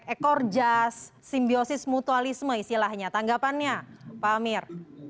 efek ekor jazz simbiosis mutualisme istilahnya tanggapannya pak amir